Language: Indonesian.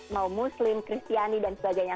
mau muslim kristiani dan sebagainya